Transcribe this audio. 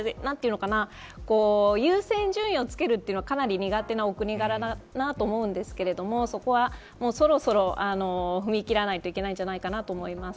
日本って、優先順位をつけるというのが、かなり苦手なお国柄なんだと思うんですけどそこはもうそろそろ踏み切らないといけないんじゃないかなと思います。